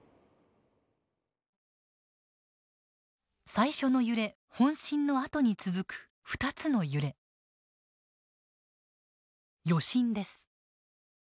最初の揺れ本震のあとに続く２つの揺れ余震です。